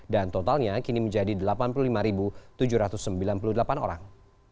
dan totalnya kini menjadi delapan puluh lima tujuh ratus sembilan puluh delapan orang